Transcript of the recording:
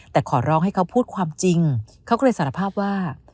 แต่ขอร้องให้เขาพูดความจริงเขาก็เลยสารภาพว่า